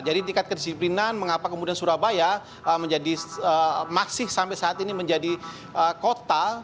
jadi tingkat kedisiplinan mengapa kemudian surabaya masih sampai saat ini menjadi kota